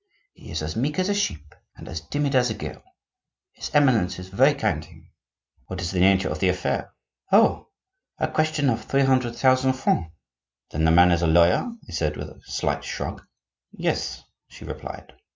He is as meek as a sheep and as timid as a girl. His Eminence is very kind to him." "What is the nature of the affair?" "Oh! a question of three hundred thousand francs." "Then the man is a lawyer?" I said, with a slight shrug. "Yes," she replied.